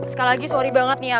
sekali lagi sorry banget nih ya